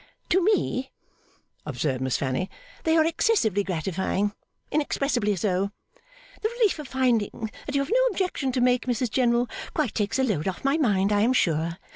'To me,' observed Miss Fanny, 'they are excessively gratifying inexpressibly so. The relief of finding that you have no objection to make, Mrs General, quite takes a load off my mind, I am sure.